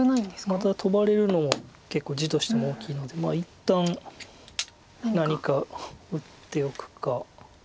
またトバれるのは結構地としても大きいので一旦何か打っておくか。